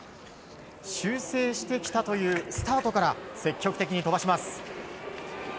修正してきたというスタートから積極的に飛ばします。